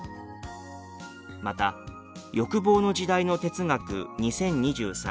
また「欲望の時代の哲学２０２３